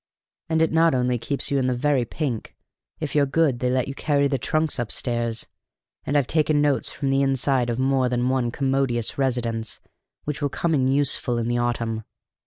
And it not only keeps you in the very pink: if you're good they let you carry the trunks up stairs; and I've taken notes from the inside of more than one commodious residence which will come in useful in the autumn.